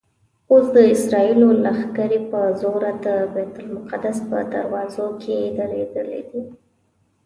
اوس د اسرائیلو لښکرې په زوره د بیت المقدس په دروازو کې درېدلي دي.